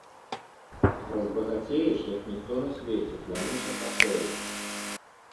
Разбагацееш, як ніхто на свеце, клянуся касой!